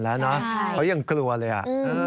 แล้วนะเขายังกลัวเลย